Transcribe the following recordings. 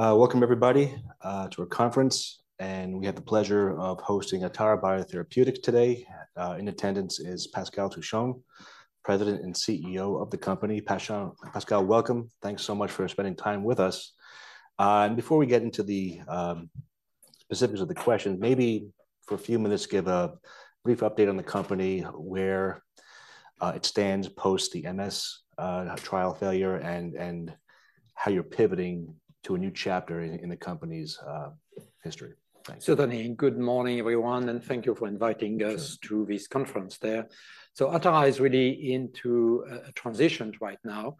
Welcome everybody to our conference, and we have the pleasure of hosting Atara Biotherapeutics today. In attendance is Pascal Touchon, President and CEO of the company. Pascal, welcome. Thanks so much for spending time with us. Before we get into the specifics of the question, maybe for a few minutes, give a brief update on the company, where it stands post the MS trial failure, and how you're pivoting to a new chapter in the company's history. Thanks. Certainly. Good morning, everyone, and thank you for inviting us. Sure... to this conference there. So Atara is really into a transition right now.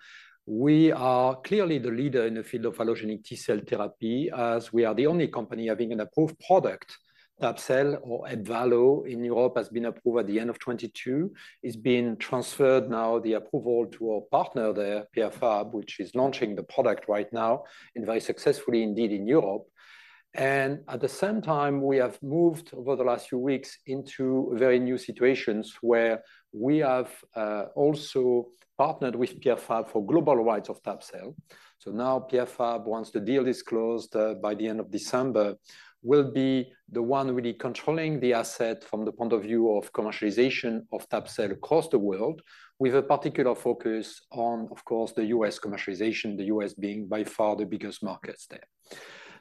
We are clearly the leader in the field of allogeneic T-cell therapy, as we are the only company having an approved product. Tab-cel, or EBVALLO in Europe, has been approved at the end of 2022. It's been transferred now, the approval, to our partner there, Pierre Fabre, which is launching the product right now, and very successfully indeed, in Europe. And at the same time, we have moved over the last few weeks into very new situations, where we have also partnered with Pierre Fabre for global rights of tab-cel. So now Pierre Fabre, once the deal is closed by the end of December, will be the one really controlling the asset from the point of view of commercialization of tab-cel across the world, with a particular focus on, of course, the U.S. commercialization, the U.S. being by far the biggest market there.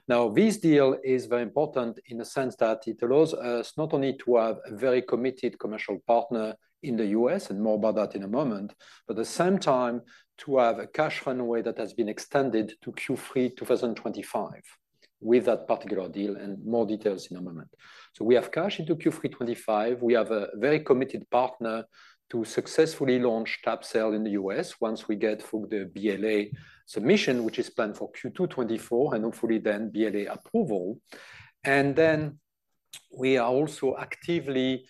Now, this deal is very important in the sense that it allows us not only to have a very committed commercial partner in the U.S., and more about that in a moment, but at the same time to have a cash runway that has been extended to Q3 2025, with that particular deal, and more details in a moment. So we have cash into Q3 2025. We have a very committed partner to successfully launch tab-cel in the US once we get through the BLA submission, which is planned for Q2 2024, and hopefully then BLA approval. And then we are also actively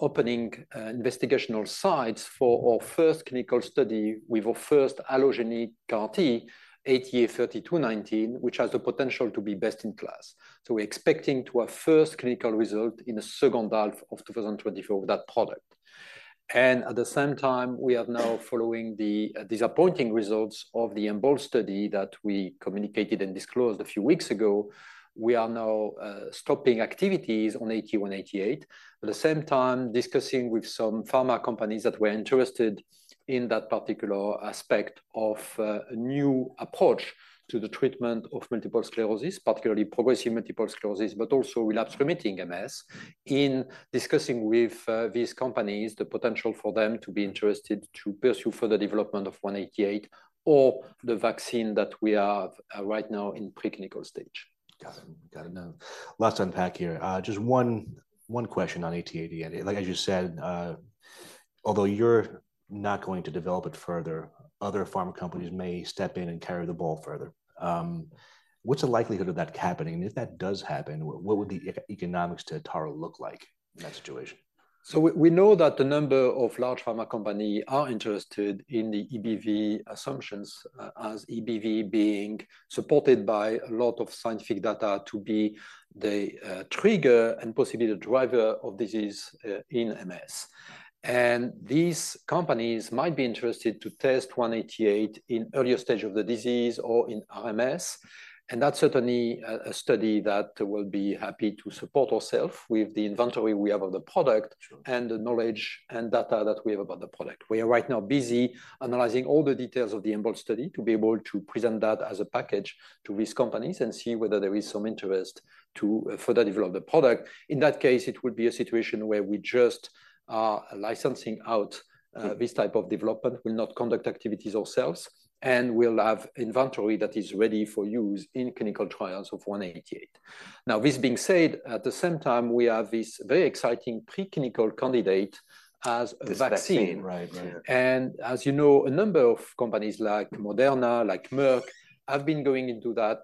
opening investigational sites for our first clinical study with our first allogeneic CAR T, ATA3219, which has the potential to be best in class. So we're expecting to have first clinical result in the second half of 2024 with that product. And at the same time, we are now following the disappointing results of the EMBOLD study that we communicated and disclosed a few weeks ago. We are now stopping activities on ATA188. At the same time, discussing with some pharma companies that were interested in that particular aspect of a new approach to the treatment of multiple sclerosis, particularly progressive multiple sclerosis, but also relapsing-remitting MS, in discussing with these companies, the potential for them to be interested to pursue further development of ATA188, or the vaccine that we have right now in preclinical stage. Got it. Got it now. Lots to unpack here. Just one question on ATA188. Like, as you said, although you're not going to develop it further, other pharma companies may step in and carry the ball further. What's the likelihood of that happening? And if that does happen, what would the economics to Atara look like in that situation? So we know that a number of large pharma company are interested in the EBV assumptions, as EBV being supported by a lot of scientific data to be the trigger and possibly the driver of disease in MS. And these companies might be interested to test ATA188 in earlier stage of the disease or in RMS, and that's certainly a study that we'll be happy to support ourself with the inventory we have of the product- Sure... and the knowledge and data that we have about the product. We are right now busy analyzing all the details of the EMBOLD study to be able to present that as a package to these companies and see whether there is some interest to further develop the product. In that case, it would be a situation where we just are licensing out, Sure... this type of development. We'll not conduct activities ourselves, and we'll have inventory that is ready for use in clinical trials of ATA188. Now, this being said, at the same time, we have this very exciting preclinical candidate as a vaccine. This vaccine. Right. Right. As you know, a number of companies like Moderna, like Merck, have been going into that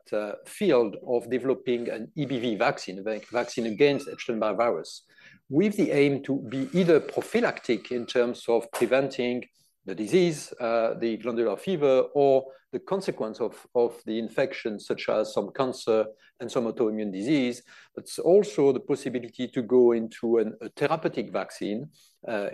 field of developing an EBV vaccine, a vaccine against Epstein-Barr virus, with the aim to be either prophylactic in terms of preventing the disease, the glandular fever, or the consequence of the infection, such as some cancer and some autoimmune disease. But also the possibility to go into a therapeutic vaccine,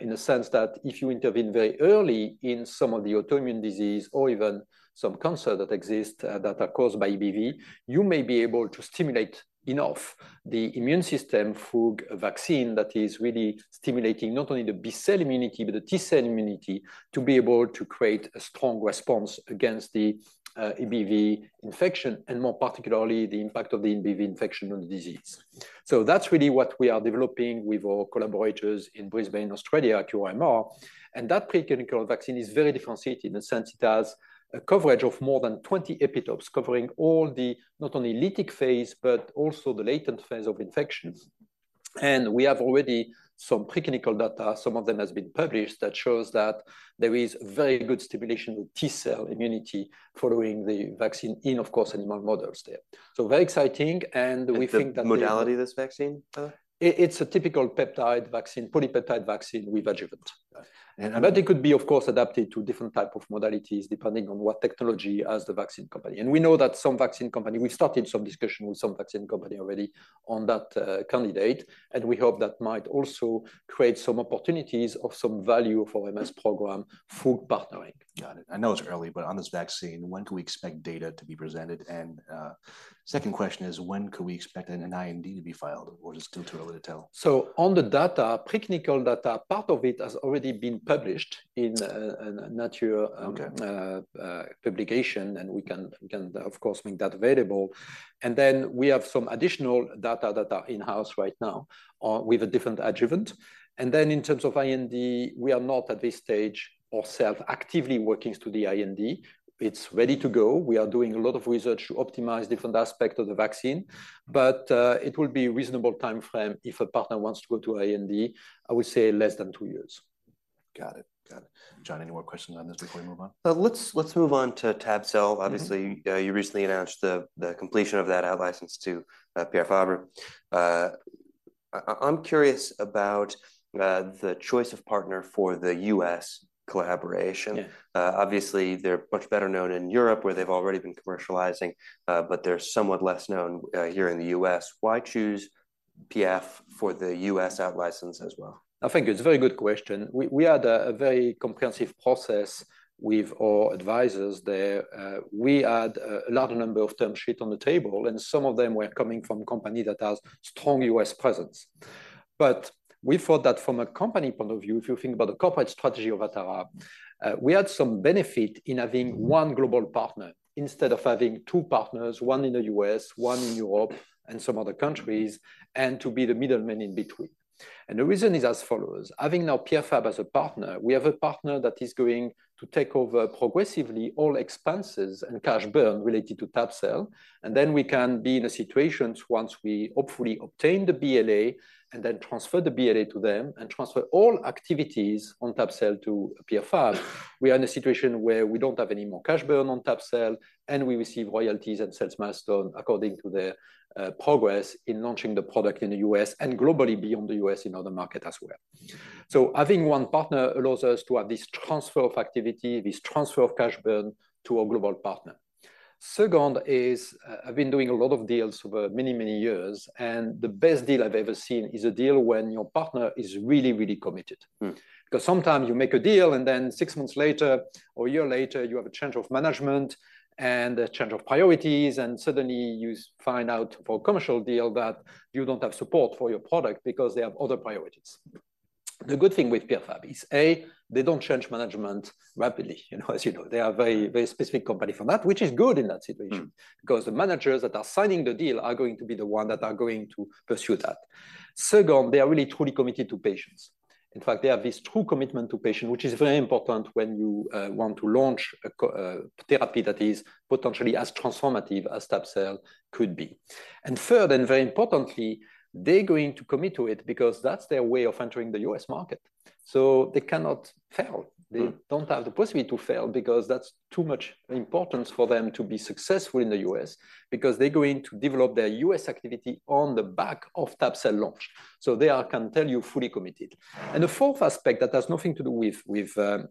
in the sense that if you intervene very early in some of the autoimmune disease or even some cancer that exist, that are caused by EBV, you may be able to stimulate enough the immune system through a vaccine that is really stimulating not only the B-cell immunity, but the T-cell immunity, to be able to create sloan response against the EBV infection, and more particularly, the impact of the EBV infection on the disease. So that's really what we are developing with our collaborators in Brisbane, Australia, QIMR, and that preclinical vaccine is very differentiated in the sense it has a coverage of more than 20 epitopes, covering all the, not only lytic phase, but also the latent phase of infections. We have already some preclinical data, some of them has been published, that shows that there is very good stimulation of T-cell immunity following the vaccine in, of course, animal models there. So very exciting, and we think that the- The modality of this vaccine? It's a typical peptide vaccine, polypeptide vaccine with adjuvant. Got it. But it could be, of course, adapted to different type of modalities depending on what technology has the vaccine company. And we know that some vaccine company... We started some discussion with some vaccine company already on that, candidate, and we hope that might also create some opportunities of some value for MS program through partnering. Got it. I know it's early, but on this vaccine, when can we expect data to be presented? And, second question is, when could we expect an IND to be filed, or is it still too early to tell? On the data, preclinical data, part of it has already been published in a Nature- Okay... publication, and we can, of course, make that available. And then we have some additional data that are in-house right now with a different adjuvant. And then in terms of IND, we are not at this stage ourself actively working to the IND. It's ready to go. We are doing a lot of research to optimize different aspect of the vaccine, but it will be reasonable timeframe if a partner wants to go to IND, I would say less than two years. Got it. Got it. John, any more questions on this before we move on? Let's move on to tab-cel. Mm-hmm. Obviously, you recently announced the completion of that out license to Pierre Fabre. I'm curious about the choice of partner for the U.S. collaboration. Yeah. Obviously, they're much better known in Europe, where they've already been commercializing, but they're somewhat less known here in the U.S. Why choose PF for the U.S. out license as well? I think it's a very good question. We had a very comprehensive process with our advisors there. We had a large number of term sheets on the table, and some of them were coming from companies that have strong U.S. presence. But we thought that from a company point of view, if you think about the corporate strategy of Atara, we had some benefit in having one global partner instead of having two partners, one in the U.S., one in Europe and some other countries, and to be the middleman in between. The reason is as follows: having now Pierre Fabre as a partner, we have a partner that is going to take over progressively all expenses and cash burn related to tab-cel, and then we can be in a situation once we hopefully obtain the BLA and then transfer the BLA to them and transfer all activities on tab-cel to Pierre Fabre. We are in a situation where we don't have any more cash burn on tab-cel, and we receive royalties and sales milestone according to the progress in launching the product in the U.S. and globally beyond the U.S., in other market as well. Having one partner allows us to have this transfer of activity, this transfer of cash burn to our global partner. Second is, I've been doing a lot of deals over many, many years, and the best deal I've ever seen is a deal when your partner is really, really committed. Mm. Because sometimes you make a deal, and then six months later or a year later, you have a change of management and a change of priorities, and suddenly you find out for a commercial deal that you don't have support for your product because they have other priorities. The good thing with Pierre Fabre is, A, they don't change management rapidly. You know, as you know, they are a very, very specific company from that, which is good in that situation- Mm... because the managers that are signing the deal are going to be the one that are going to pursue that. Second, they are really truly committed to patients. In fact, they have this true commitment to patient, which is very important when you want to launch a therapy that is potentially as transformative as tab-cel could be. And third, and very importantly, they're going to commit to it because that's their way of entering the U.S. market. So they cannot fail. Mm. They don't have the possibility to fail because that's too much importance for them to be successful in the U.S., because they're going to develop their U.S. activity on the back of tab-cel launch. So they are, I can tell you, fully committed. And the fourth aspect, that has nothing to do with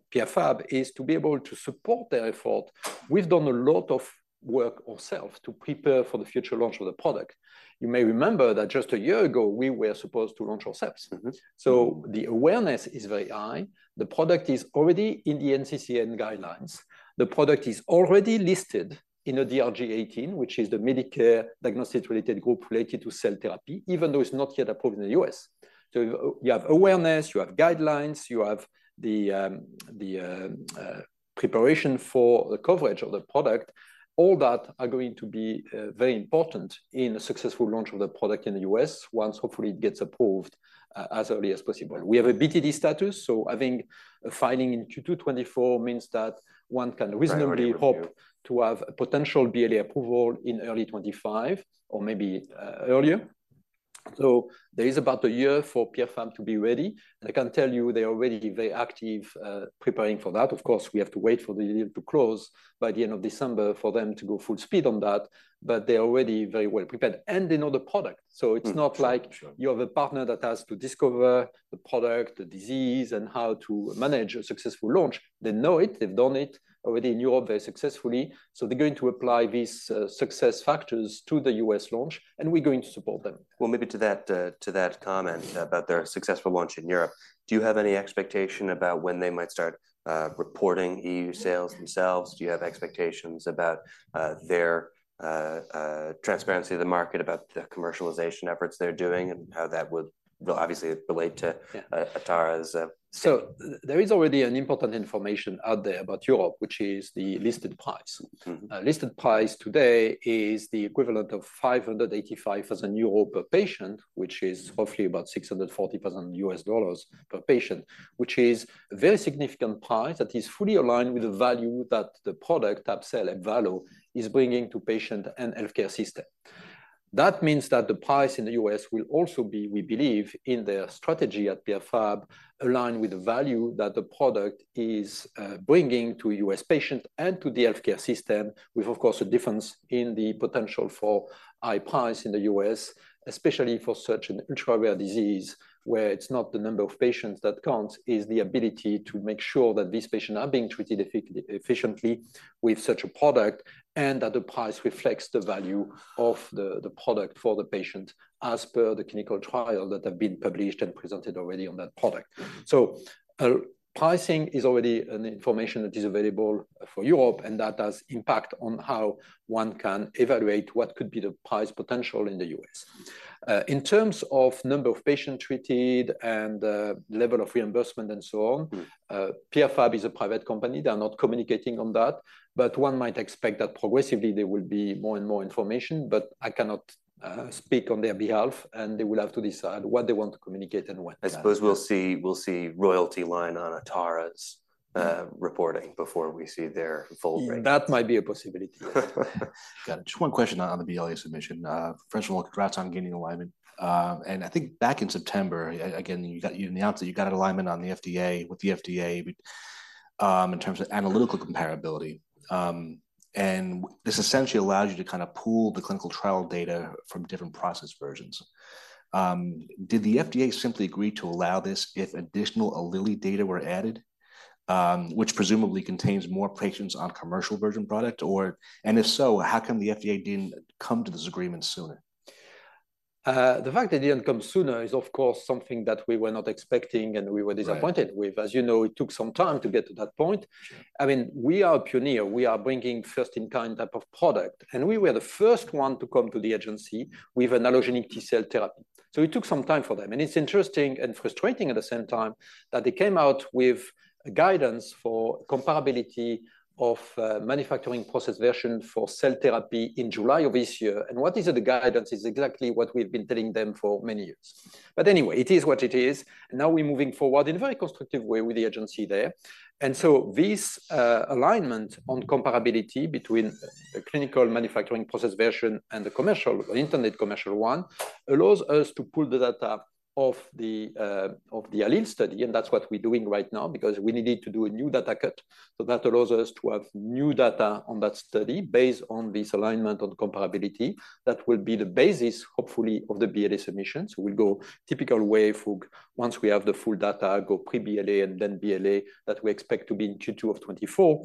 Pierre Fabre, is to be able to support their effort. We've done a lot of work ourselves to prepare for the future launch of the product. You may remember that just a year ago, we were supposed to launch our tab-cel. Mm-hmm. So the awareness is very high. The product is already in the NCCN guidelines. The product is already listed in the DRG 018, which is the Medicare diagnostic-related group related to cell therapy, even though it's not yet approved in the U.S. So you have awareness, you have guidelines, you have the preparation for the coverage of the product. All that are going to be very important in a successful launch of the product in the U.S., once hopefully it gets approved as early as possible. We have a BTD status, so I think a filing in Q2 2024 means that one can reasonably- Right... hope to have a potential BLA approval in early 2025 or maybe, earlier. So there is about a year for Pierre Fabre to be ready, and I can tell you, they are already very active, preparing for that. Of course, we have to wait for the deal to close by the end of December for them to go full speed on that, but they're already very well prepared, and they know the product. Mm. So it's not like- Sure... you have a partner that has to discover the product, the disease, and how to manage a successful launch. They know it. They've done it already in Europe very successfully. So they're going to apply these success factors to the U.S. launch, and we're going to support them. Well, maybe to that comment about their successful launch in Europe, do you have any expectation about when they might start reporting EU sales themselves? Do you have expectations about their transparency of the market, about the commercialization efforts they're doing, and how that would obviously relate to- Yeah... Atara's There is already an important information out there about Europe, which is the listed price. Mm-hmm. Listed price today is the equivalent of 585,000 euro per patient, which is roughly about $640,000 per patient, which is a very significant price that is fully aligned with the value that the product, tab-cel and value, is bringing to patient and healthcare system. That means that the price in the U.S. will also be, we believe, in their strategy at Pierre Fabre, aligned with the value that the product is bringing to U.S. patient and to the healthcare system, with, of course, a difference in the potential for high price in the U.S., especially for such an ultra-rare disease, where it's not the number of patients that counts, it's the ability to make sure that these patients are being treated efficiently with such a product, and that the price reflects the value of the product for the patient, as per the clinical trial that have been published and presented already on that product. So, pricing is already an information that is available for Europe, and that does impact on how one can evaluate what could be the price potential in the US. In terms of number of patients treated and, level of reimbursement and so on, Pierre Fabre is a private company. They are not communicating on that. But one might expect that progressively there will be more and more information, but I cannot, speak on their behalf, and they will have to decide what they want to communicate and when. I suppose we'll see, we'll see royalty line on Atara's reporting before we see their full break. That might be a possibility. Got it. Just one question on the BLA submission. First of all, congrats on getting alignment. And I think back in September, again, you announced that you got an alignment with the FDA in terms of analytical comparability. And this essentially allows you to kind of pool the clinical trial data from different process versions. Did the FDA simply agree to allow this if additional ALLELE data were added, which presumably contains more patients on commercial version product? Or... And if so, how come the FDA didn't come to this agreement sooner? The fact they didn't come sooner is, of course, something that we were not expecting, and we were disappointed. Right. As you know, it took some time to get to that point. Sure. I mean, we are a pioneer. We are bringing first-in-kind type of product, and we were the first one to come to the agency with an allogeneic T-cell therapy. So it took some time for them, and it's interesting and frustrating at the same time that they came out with a guidance for comparability of manufacturing process version for cell therapy in July of this year. And what is in the guidance is exactly what we've been telling them for many years. But anyway, it is what it is, and now we're moving forward in a very constructive way with the agency there. This alignment on comparability between the clinical manufacturing process version and the commercial, intended commercial one, allows us to pull the data from the ALLELE study, and that's what we're doing right now because we needed to do a new data cut. So that allows us to have new data on that study based on this alignment on comparability. That will be the basis, hopefully, of the BLA submission. So we'll go the typical way for once we have the full data, go pre-BLA and then BLA, that we expect to be in Q2 of 2024.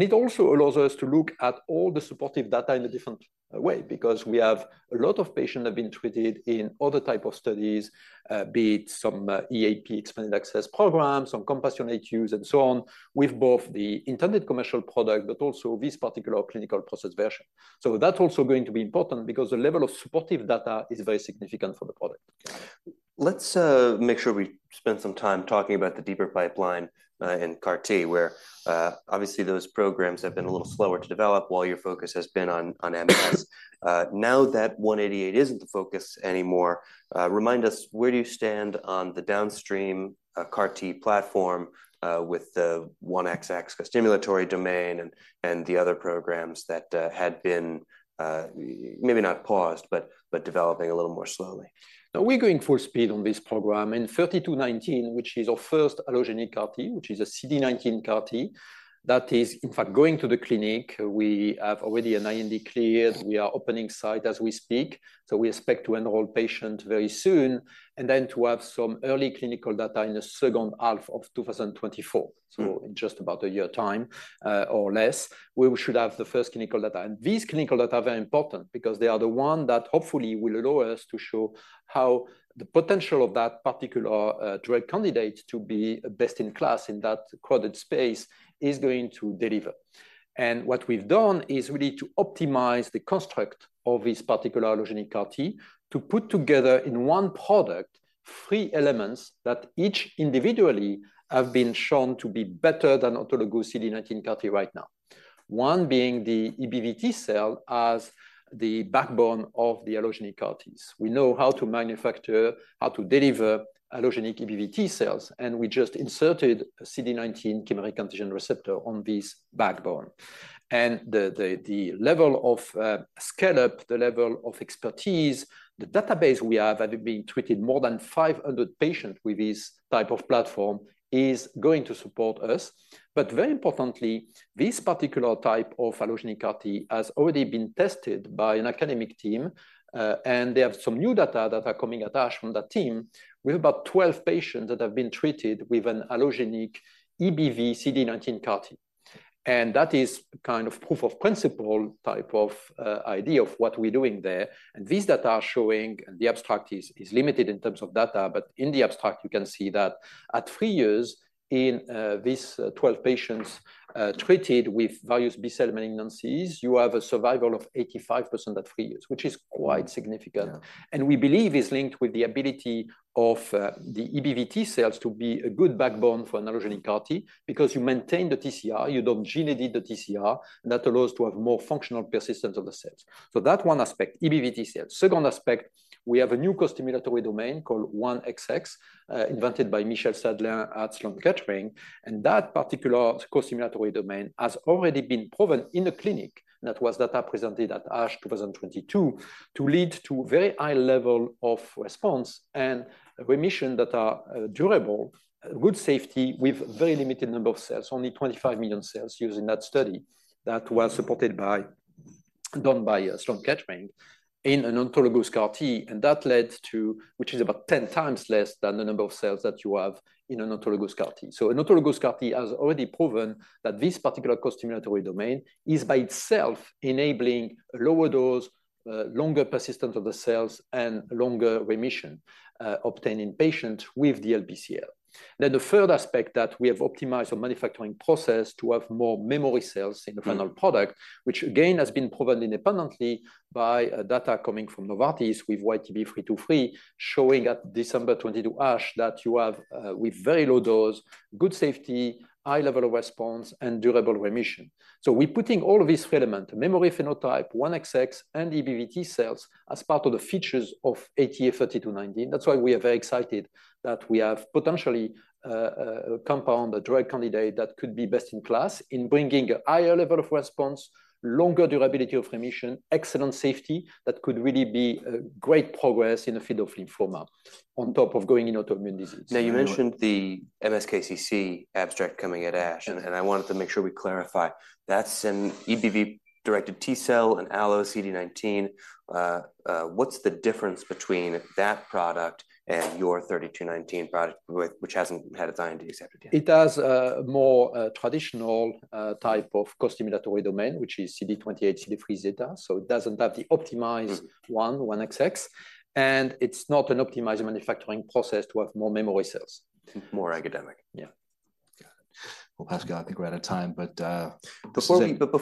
It also allows us to look at all the supportive data in a different way, because we have a lot of patients have been treated in other type of studies, be it some EAP, Expanded Access Program, some compassionate use, and so on, with both the intended commercial product but also this particular clinical process version. So that's also going to be important because the level of supportive data is very significant for the product. Let's make sure we spend some time talking about the deeper pipeline in CAR-T, where obviously those programs have been a little slower to develop while your focus has been on MS. Now that 188 isn't the focus anymore, remind us, where do you stand on the downstream CAR-T platform with the 1XX costimulatory domain and the other programs that had been maybe not paused, but developing a little more slowly? Now, we're going full speed on this program. In 3219, which is our first allogeneic CAR-T, which is a CD19 CAR-T, that is, in fact, going to the clinic. We have already an IND cleared. We are opening site as we speak, so we expect to enroll patients very soon and then to have some early clinical data in the second half of 2024. So in just about a year time, or less, we should have the first clinical data. And these clinical data are very important because they are the one that hopefully will allow us to show how the potential of that particular, drug candidate to be best in class in that crowded space is going to deliver. And what we've done is really to optimize the construct of this particular allogeneic CAR-T, to put together in one product three elements that each individually have been shown to be better than autologous CD19 CAR-T right now. One being the EBV-T cell as the backbone of the allogeneic CAR-Ts. We know how to manufacture, how to deliver allogeneic EBV-T cells, and we just inserted a CD19 chimeric antigen receptor on this backbone. And the level of scale-up, the level of expertise, the database we have, having treated more than 500 patients with this type of platform, is going to support us. But very importantly, this particular type of allogeneic CAR-T has already been tested by an academic team, and they have some new data that are coming at us from that team. We have about 12 patients that have been treated with an allogeneic EBV CD19 CAR-T, and that is kind of proof of principle type of idea of what we're doing there. These data are showing, and the abstract is limited in terms of data, but in the abstract you can see that at 3 years, in these 12 patients treated with various B-cell malignancies, you have a survival of 85% at 3 years, which is quite significant. Yeah. And we believe it's linked with the ability of the EBV-T cells to be a good backbone for an allogeneic CAR-T, because you maintain the TCR, you don't gene edit the TCR, and that allows to have more functional persistence of the cells. So that one aspect, EBV-T cells. Second aspect, we have a new costimulatory domain called 1XX, invented by Michel Sadelain at Sloan Kettering, and that particular costimulatory domain has already been proven in the clinic, and that was data presented at ASH 2022, to lead to very high level of response and remission that are durable, good safety, with very limited number of cells, only 25 million cells used in that study that was supported by-... done by a strong 1XX in an autologous CAR T, and that led to, which is about 10 times less than the number of cells that you have in an autologous CAR T. So an autologous CAR T has already proven that this particular costimulatory domain is by itself enabling lower dose, longer persistence of the cells and longer remission obtained in patients with the LBCL. Then the third aspect that we have optimized our manufacturing process to have more memory cells in the final product, which again has been proven independently by data coming from Novartis with YTB-323, showing at December 2022 ASH that you have, with very low dose, good safety, high level of response and durable remission. So we're putting all of these elements, memory phenotype, 1XX, and EBV T-cells as part of the features of ATA3219. That's why we are very excited that we have potentially a compound, a drug candidate that could be best in class in bringing a higher level of response, longer durability of remission, excellent safety. That could really be a great progress in the field of lymphoma on top of going in autoimmune disease. Now, you mentioned the MSKCC abstract coming at ASH, and I wanted to make sure we clarify. That's an EBV-directed T-cell, an allo CD19. What's the difference between that product and your ATA3219 product, which hasn't had its IND accepted yet? It has a more traditional type of costimulatory domain, which is CD28, CD3 zeta, so it doesn't have the optimized one, 1XX, and it's not an optimized manufacturing process to have more memory cells. More academic. Yeah. Got it. Well, Pascal, I think we're out of time, but before we— But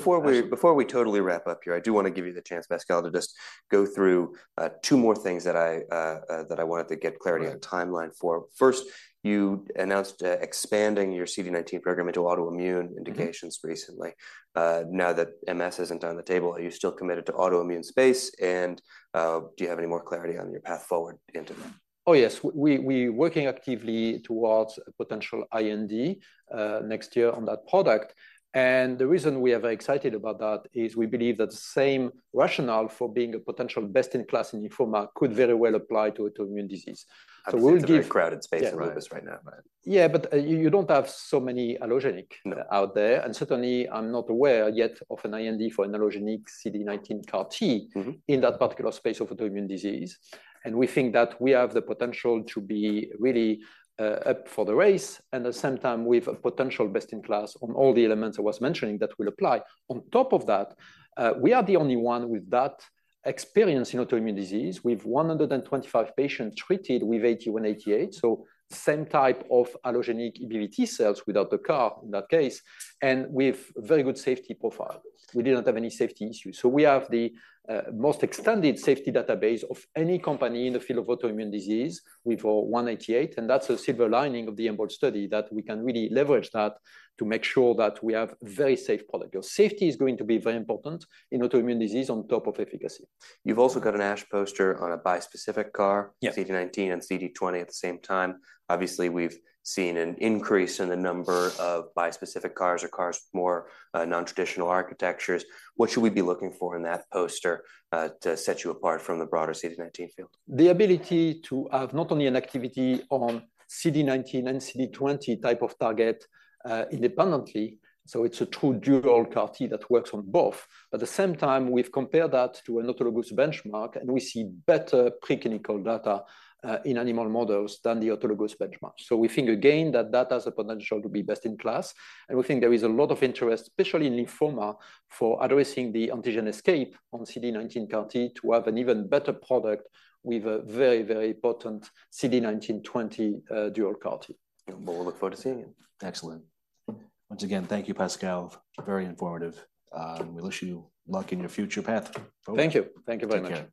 before we totally wrap up here, I do want to give you the chance, Pascal, to just go through two more things that I wanted to get clarity on the timeline for. First, you announced expanding your CD19 program into autoimmune indications recently. Mm-hmm. Now that MS isn't on the table, are you still committed to autoimmune space, and do you have any more clarity on your path forward into that? Oh, yes. We're working actively towards a potential IND next year on that product. And the reason we are very excited about that is we believe that the same rationale for being a potential best-in-class in lymphoma could very well apply to autoimmune disease. So we'll give- Obviously, it's a very crowded space in lupus right now, but- Yeah, but you don't have so many allogeneic- No... out there, and certainly I'm not aware yet of an IND for an allogeneic CD19 CAR T- Mm-hmm In that particular space of autoimmune disease. And we think that we have the potential to be really, up for the race, and at the same time we have a potential best-in-class on all the elements I was mentioning that will apply. On top of that, we are the only one with that experience in autoimmune disease. We have 125 patients treated with ATA188, so same type of allogeneic EBV T-cells without the CAR in that case, and with very good safety profile. We did not have any safety issues. So we have the, most extended safety database of any company in the field of autoimmune disease with, ATA188, and that's a silver lining of the EMBOLD study, that we can really leverage that to make sure that we have very safe product. Safety is going to be very important in autoimmune disease on top of efficacy. You've also got an ASH poster on a bispecific CAR- Yes - CD19 and CD20 at the same time. Obviously, we've seen an increase in the number of bispecific CARs or CARs, more, non-traditional architectures. What should we be looking for in that poster, to set you apart from the broader CD19 field? The ability to have not only an activity on CD19 and CD20 type of target, independently, so it's a true dual CAR T that works on both. At the same time, we've compared that to an autologous benchmark, and we see better preclinical data, in animal models than the autologous benchmark. So we think again, that that has a potential to be best in class, and we think there is a lot of interest, especially in lymphoma, for addressing the antigen escape on CD19 CAR T to have an even better product with a very, very potent CD19, 20, dual CAR T. Well, we look forward to seeing it. Excellent. Once again, thank you, Pascal. Very informative, and we'll wish you luck in your future path. Thank you. Thank you very much. Take care.